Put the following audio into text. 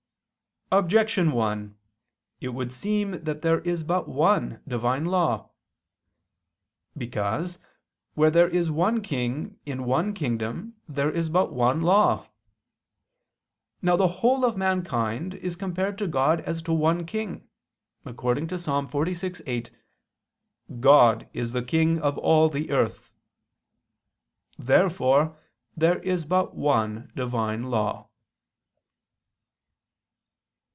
Objection 1: It would seem that there is but one Divine law. Because, where there is one king in one kingdom there is but one law. Now the whole of mankind is compared to God as to one king, according to Ps. 46:8: "God is the King of all the earth." Therefore there is but one Divine law.